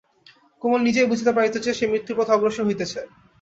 কমল নিজেই বুঝিতে পারিত যে, সে মৃত্যুর পথে অগ্রসর হইতেছে।